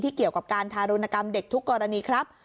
เกี่ยวกับการทารุณกรรมเด็กทุกกรณีครับ